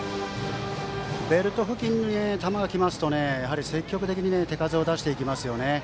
ベルト付近に球が来ますと積極的に手数を出していきますね。